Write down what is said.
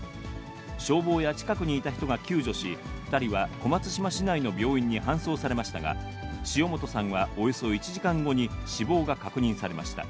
消防や近くにいた人が救助し、２人は小松島市内の病院に搬送されましたが、塩本さんはおよそ１時間後に死亡が確認されました。